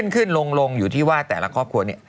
ขึ้นลงอยู่ที่ว่าแต่ละครอบครัวเนี่ย